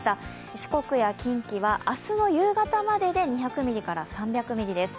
四国や近畿は明日の夕方までで２００ミリから３００ミリです。